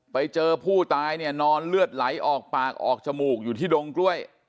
ไปเจอผู้ตายเนี่ยนอนเลือดไหลออกปากออกจมูกอยู่ที่ดงกล้วย